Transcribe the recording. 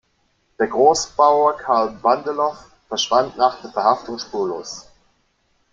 Der Großbauer Carl Bandelow verschwand nach der Verhaftung spurlos.